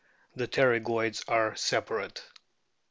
The pterygoids are separate.